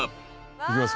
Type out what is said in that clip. いきます